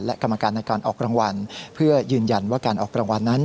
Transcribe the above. และกรรมการในการออกรางวัลเพื่อยืนยันว่าการออกรางวัลนั้น